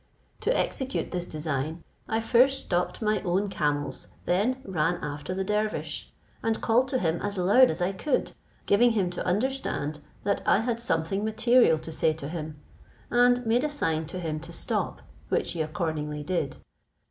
To execute this design, I first stopped my own camels, then ran after the dervish, and called to him as loud as I could, giving him to understand that I had something material to say to him, and made a sign to him to stop, which he accordingly did.